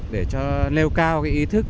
để cho nêu cao cái ý thức